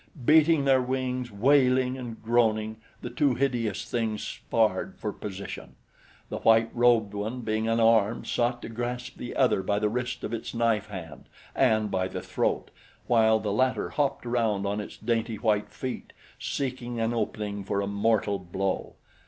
Beating their wings, wailing and groaning, the two hideous things sparred for position. The white robed one being unarmed sought to grasp the other by the wrist of its knife hand and by the throat, while the latter hopped around on its dainty white feet, seeking an opening for a mortal blow.